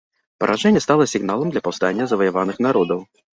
Паражэнне стала сігналам для паўстання заваяваных народаў.